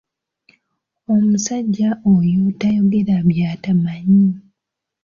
Omusajja oyo tayogera by'atamanyi.